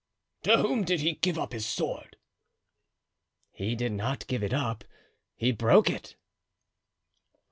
"To whom did he give up his sword?" "He did not give it up; he broke it."